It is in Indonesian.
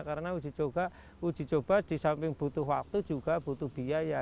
karena ujicoba di samping butuh waktu juga butuh biaya